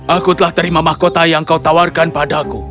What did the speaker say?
aku telah terima mahkota yang kau tawarkan padaku